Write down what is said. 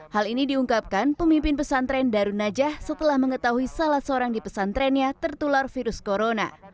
hal ini diungkapkan pemimpin pesantren darun najah setelah mengetahui salah seorang di pesantrennya tertular virus corona